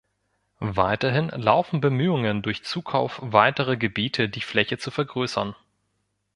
Weiterhin laufen Bemühungen, durch Zukauf weiterer Gebiete die Fläche zu vergrößern.